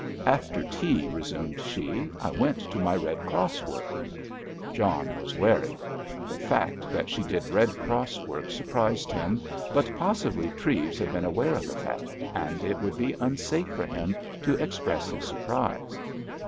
"After tea," resumed she, "I went to my Red Cross work." John was wary. The fact that she did Red Cross work surprised him, but possibly Treves had been aware of the fact, and it would be unsafe for him to express his surprise.